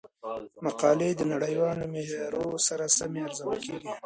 مقالې د نړیوالو معیارونو سره سمې ارزول کیږي.